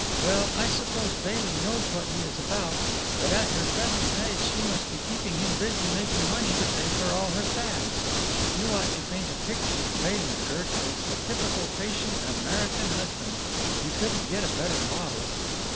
Well, I suppose Bailey knows what he is about; but at her present pace she must be keeping him busy making money to pay for all her fads. You ought to paint a picture of Bailey, Kirk, as the typical patient American husband. You couldn't get a better model."